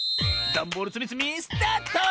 ダンボールつみつみスタート！